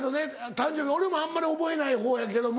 誕生日俺もあんまり覚えない方やけども。